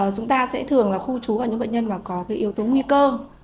chúng ta sẽ thường là khu trú vào những bệnh nhân mà có yếu tố nguy cơ